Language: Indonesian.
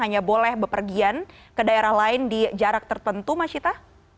hanya boleh bepergian ke daerah lain di jarak tertentu mas cita